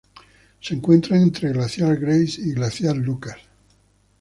Se encuentra entre Glaciar Grace y Glaciar Lucas.